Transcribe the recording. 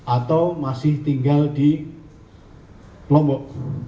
atau masih tinggal di lombok